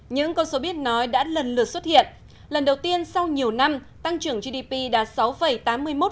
những con số biết nói đã lần lượt xuất hiện lần đầu tiên sau nhiều năm tăng trưởng gdp đạt sáu tám mươi một